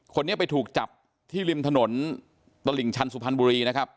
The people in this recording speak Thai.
คนนี้ไปถูกจับที่ริมถนนตลิ่งชันสุพรรณบุรีนะครับ